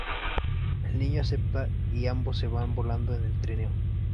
El niño acepta y ambos se van volando en el trineo.